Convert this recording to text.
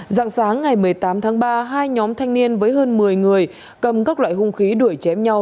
dạng sáng ngày một mươi tám tháng ba hai nhóm thanh niên với hơn một mươi người cầm các loại hung khí đuổi chém nhau